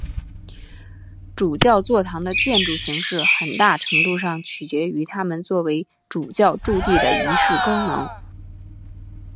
主教座堂的建筑形式很大程度上取决于它们作为主教驻地的仪式功能。